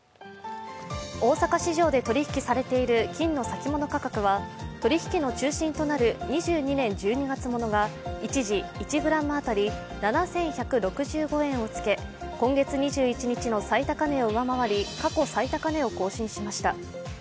大阪市場で取引されている金の先物価格は取引の中心となる２２年１２月ものが一時、１ｇ当たり７１６５円をつけ、今月２１日の最高値を上回り、過去最高値を更新しました。